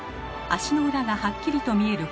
足の裏がはっきりと見える